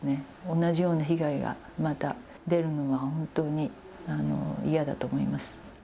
同じような被害がまた出るのは、本当に嫌だと思います。